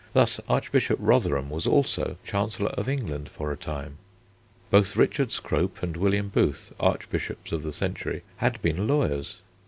Thus, Archbishop Rotherham was also Chancellor of England for a time. Both Richard Scrope and William Booth, archbishops of the century, had been lawyers.